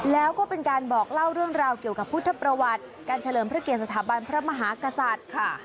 แล้วก็เป็นการบอกเล่าเรื่องราวเกี่ยวกับพุทธประวัติการเฉลิมพระเกียรสถาบันพระมหากษัตริย์ค่ะ